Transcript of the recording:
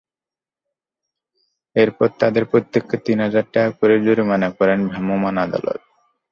এরপর তাঁদের প্রত্যেককে তিন হাজার টাকা করে জরিমানা করেন ভ্রাম্যমাণ আদালত।